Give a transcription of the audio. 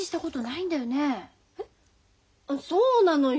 そうなのよ。